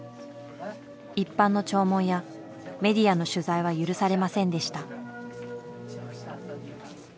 一般の弔問やメディアの取材は許されませんでした。